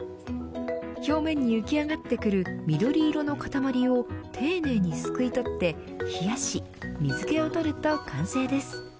表面に浮き上がってくる緑色の塊を丁寧にすくい取って、冷やし水気を取ると完成です。